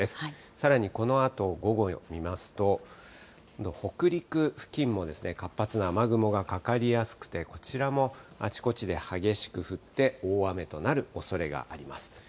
さらにこのあと午後を見ますと、北陸付近も活発な雨雲がかかりやすくて、こちらもあちこちで激しく降って、大雨となるおそれがあります。